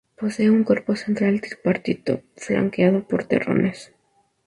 Posee un cuerpo central tripartito flanqueado por torreones.